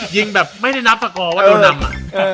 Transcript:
ยิงแบบไม่ได้นับประกอว่าโดนนำอ่ะ